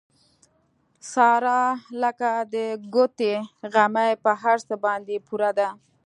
ساره لکه د ګوتې غمی په هر څه باندې پوره ده.